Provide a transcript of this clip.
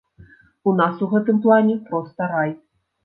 У нас у гэтым плане проста рай.